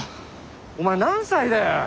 お前何歳だよ。